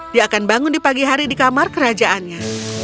dia akan bangun di pagi hari di kamar kerajaannya